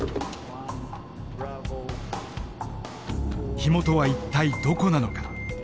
火元は一体どこなのか？